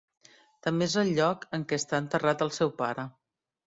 També és el lloc en què està enterrat el seu pare.